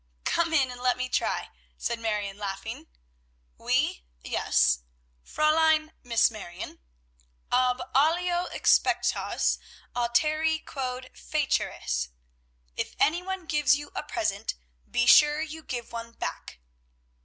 "Come in and let me try," said Marion, laughing. "Oui yes; Fräulein Miss Marion; Ab alio expectes, alteri quod feceris If any one gives you a present, be sure you give one back."